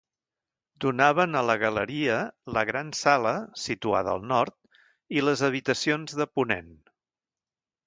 Donaven a la galeria la gran sala, situada al nord, i les habitacions de ponent.